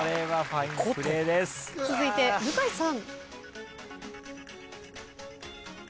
続いて向井さん。